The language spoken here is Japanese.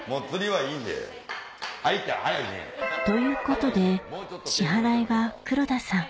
「はい」って早いね。ということで支払いは黒田さん